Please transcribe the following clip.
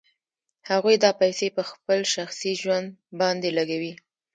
هغوی دا پیسې په خپل شخصي ژوند باندې لګوي